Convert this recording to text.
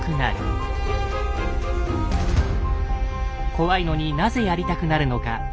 怖いのになぜやりたくなるのか。